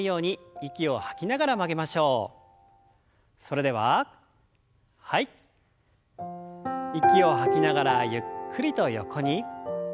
息を吐きながらゆっくりと横に。